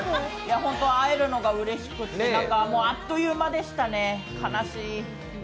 ホント、会えるのがうれしくて、あっという間でしたね、悲しい。